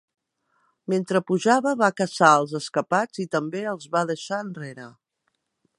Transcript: Mentre pujava va caçar als escapats i també els va deixar enrere.